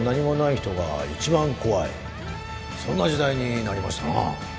そんな時代になりましたなあ。